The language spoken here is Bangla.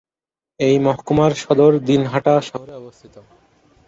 এই মহকুমার সদর দিনহাটা শহরে অবস্থিত।